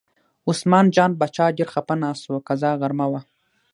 عثمان جان باچا ډېر خپه ناست و، قضا غرمه وه.